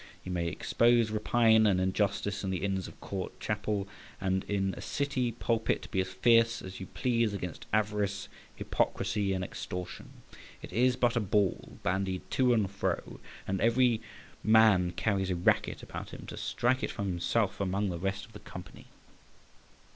You may expose rapine and injustice in the Inns of Court chapel, and in a City pulpit be as fierce as you please against avarice, hypocrisy, and extortion. It is but a ball bandied to and fro, and every man carries a racket about him to strike it from himself among the rest of the company.